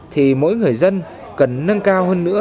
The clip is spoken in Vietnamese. thì mỗi người dân cần nâng cao hơn nữa